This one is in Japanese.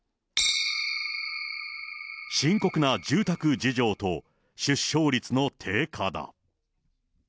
深刻な住宅事情と出生率の低下だ。